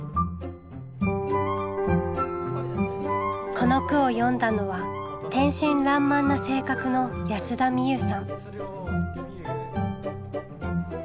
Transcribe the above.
この句を詠んだのは天真らんまんな性格の安田心優さん。